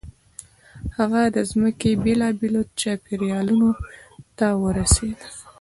هغه د ځمکې بېلابېلو چاپېریالونو ته ورسېد.